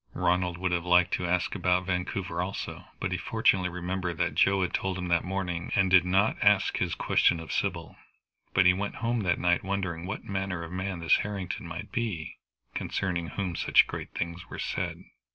Ronald would have liked to ask about Vancouver also, but he fortunately remembered what Joe had told him that morning, and did not ask his questions of Sybil. But he went home that night wondering what manner of man this Harrington might be, concerning whom such great things were said.